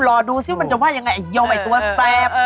แล้วดูสิว่ามันจะว่ายังไงอันเยาว์ไอตัวแซฟ